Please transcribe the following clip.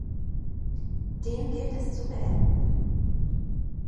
Den gilt es zu beenden.